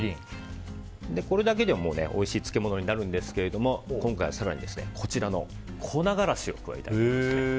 これだけでもうおいしい漬物になるんですけれども今回は更にこちらの粉辛子を加えたいと思います。